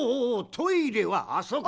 トイレはあそこだ。